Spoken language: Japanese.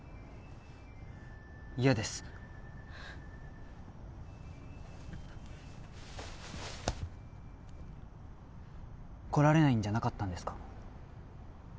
嫌です来られないんじゃなかったんですか？